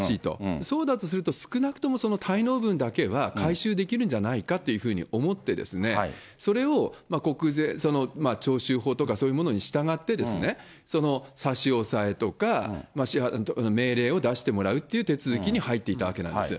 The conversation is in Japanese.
そうだとすると、少なくともその滞納分だけは回収できるんじゃないかと思って、それを国税徴収法とか、そういうものに従って、その差し押さえとか、命令を出してもらうという手続きに入っていたわけなんです。